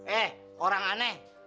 eh orang aneh